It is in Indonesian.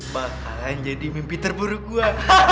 bahkan jadi mimpi terburuk gue